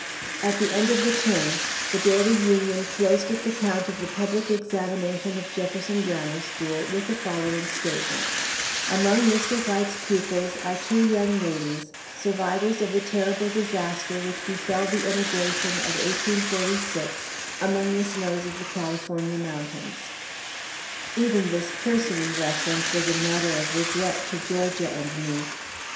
At the end of the term, The Daily Union closed its account of the public examination of Jefferson Grammar School with the following statement: "Among Mr. White's pupils are two young ladies, survivors of the terrible disaster which befell the emigration of 1846 among the snows of the California mountains." Even this cursory reference was a matter of regret to Georgia and me.